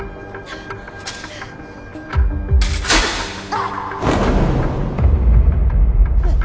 あっ！